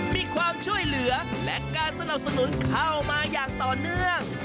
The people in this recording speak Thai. มีความช่วยเหลือและการสนับสนุนเข้ามาอย่างต่อเนื่อง